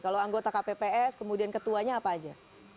kalau anggota kpps kemudian ketuanya apa aja